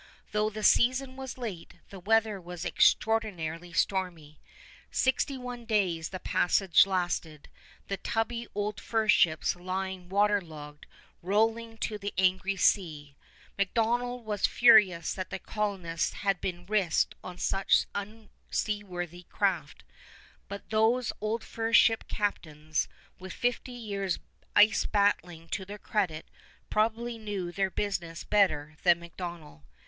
Though the season was late, the weather was extraordinarily stormy. Sixty one days the passage lasted, the tubby old fur ships lying water logged, rolling to the angry sea. MacDonell was furious that colonists had been risked on such unseaworthy craft, but those old fur ship captains, with fifty years ice battling to their credit, probably knew their business better than MacDonell.